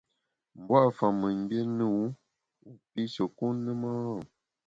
Mbua’ fa mengbié ne wu wu pishe kun ne ma ?